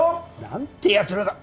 何てやつらだ！